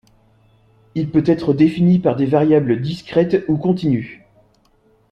Il peut être défini par des variables discrètes ou continues.